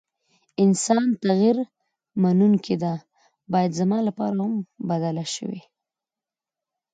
انسان تغير منونکي ده ، بايد زما لپاره هم بدله شوې ،